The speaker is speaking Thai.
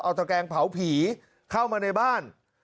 เอาตะแกงเผาผีเข้ามาในบ้าน